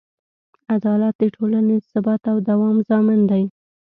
عدالت د ټولنې د ثبات او دوام ضامن دی.